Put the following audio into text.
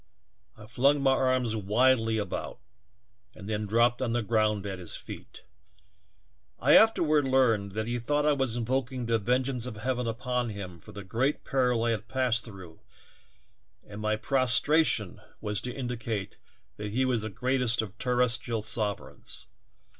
I flung my arms wildly about and then dropped on the ground at his feet. I afterward learned that bethought I was invoking the vengeance of heaven upon him for the great peril I had passed through, "I FLUNG MY ARMS WILDLY ABOUT." and my prostration was to indicate that he was the greatest of terrestrial sovereigns.